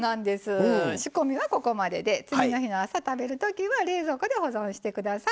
仕込みは、ここまでで次の日の朝に食べるときは冷蔵庫で保存してください。